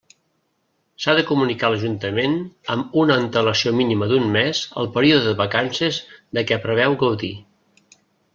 S'ha de comunicar a l'Ajuntament amb una antelació mínima d'un mes el període de vacances de què preveu gaudir.